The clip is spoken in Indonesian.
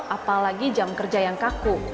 apalagi jam kerja yang kaku